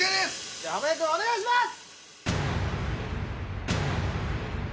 じゃあ濱家くんお願いします。